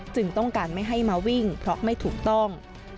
ต้องการไม่ให้มาวิ่งเพราะไม่ถูกต้อง